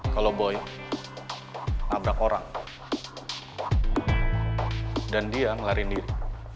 kalau boy nabrak orang dan dia ngelarin diri